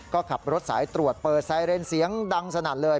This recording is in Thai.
ก็ขับรถสายตรวจเปิดไซเรนเสียงดังสนั่นเลย